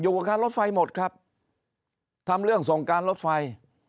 อยู่กับการลดไฟหมดครับทำเรื่องส่งการลดไฟ